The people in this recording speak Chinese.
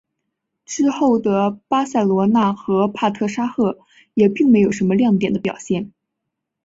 在之后的巴塞罗那和帕特沙赫也并没有什么亮眼的表现。